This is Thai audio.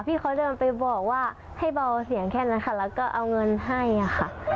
พี่เขาเดินไปบอกว่าให้เบาเสียงแค่นั้นค่ะแล้วก็เอาเงินให้ค่ะ